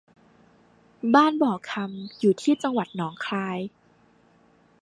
บ้านบ่อคำอยู่ที่จังหวัดหนองคาย